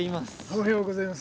おはようございます。